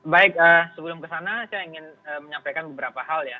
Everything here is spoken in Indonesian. baik sebelum kesana saya ingin menyampaikan beberapa hal ya